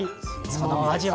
そのお味は？